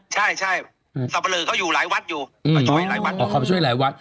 ใช่ใช่สับปะเหล่อเขาอยู่หลายวัดอยู่อืมอ๋อเขามาช่วยหลายวัด